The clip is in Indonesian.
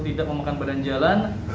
tidak memakan badan jalan